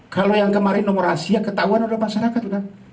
kalau yang kemarin nomor rahasia ketahuan sudah masyarakat